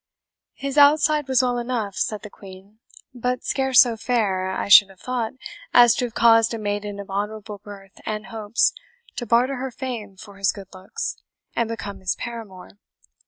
"His outside was well enough," said the Queen, "but scarce so fair, I should have thought, as to have caused a maiden of honourable birth and hopes to barter her fame for his good looks, and become his paramour.